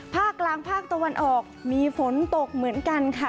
ภาคกลางภาคตะวันออกมีฝนตกเหมือนกันค่ะ